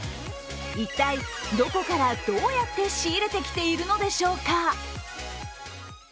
一体どこからどうやって仕入れてきているのでしょうか？